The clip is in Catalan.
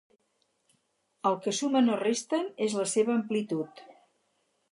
El que sumen o resten és la seva amplitud.